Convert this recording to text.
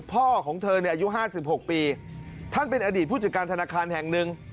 พ่อของเธอเนี่ยอายุ๕๖ปีท่านเป็นอดีตผู้จัดการธนาคารแห่งหนึ่ง